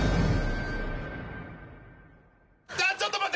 ちょっと待って！